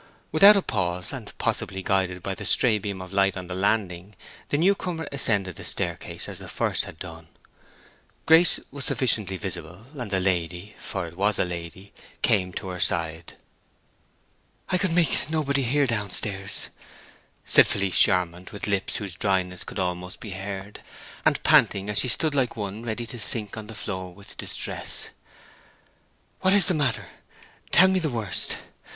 Without a pause, and possibly guided by the stray beam of light on the landing, the newcomer ascended the staircase as the first had done. Grace was sufficiently visible, and the lady, for a lady it was, came to her side. "I could make nobody hear down stairs," said Felice Charmond, with lips whose dryness could almost be heard, and panting, as she stood like one ready to sink on the floor with distress. "What is—the matter—tell me the worst!